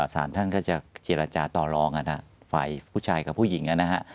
สารท่านก็จะเจรจาต่อรองฝ่ายผู้ชายกับผู้หญิงนะฮะ